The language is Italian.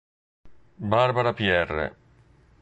Barbara Pierre